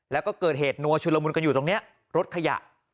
แล้วก็เกิดเหตุนัวชุลมุนกันอยู่ตรงนี้รถขยะ